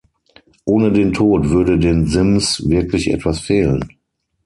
Ohne den Tod würde den Sims wirklich etwas fehlen.